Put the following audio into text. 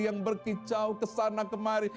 yang berkicau kesana kemari